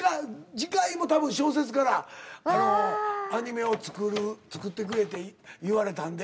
次回も多分小説からあのアニメを作る作ってくれって言われたんで。